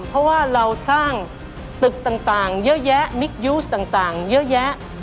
เพราะว่าเราสร้างตึกต่างเยอะแยะมิกยูสต่างเยอะแยะ